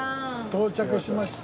到着しました。